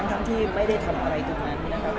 ทั้งที่ไม่ได้ทำอะไรทุกนั้น